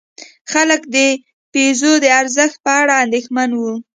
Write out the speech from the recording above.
خلک د پیزو د ارزښت په اړه اندېښمن وو.